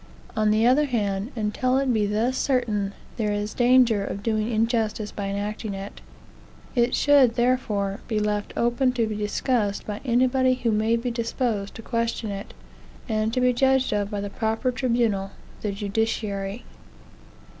On the other hand, until it be thus certain, there is danger of doing injustice by enacting it; it should, therefore, be left open to be discussed by anybody who may be disposed to question it, and to be judged of by the proper tribunal, the judiciary.